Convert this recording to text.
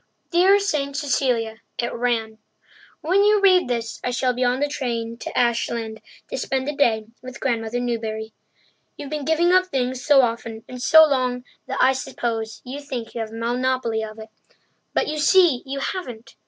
Dear Saint Cecilia [it ran], when you read this I shall be on the train to Ashland to spend the day with Grandmother Newbury. You've been giving up things so often and so long that I suppose you think you have a monopoly of it; but you see you haven't.